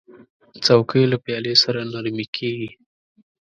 چوکۍ له پالې سره نرمې کېږي.